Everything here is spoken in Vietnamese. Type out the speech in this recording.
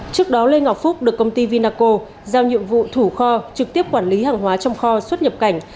trước đó lê ngọc phúc được công ty vinaco giao nhiệm vụ thủ kho trực tiếp quản lý hàng hóa trong kho xuất nhập cảnh